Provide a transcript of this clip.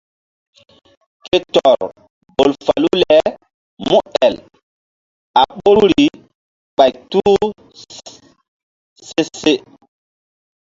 Ke tɔr bol falu le múel a ɓoruri ɓay se tulu se.